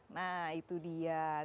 nah itu dia